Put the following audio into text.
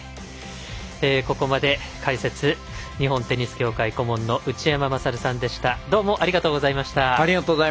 ここまで解説日本テニス協会顧問の内山勝さんでした、どうもありがとうございました。